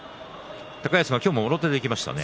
高安が今日ももろ手でいきましたね。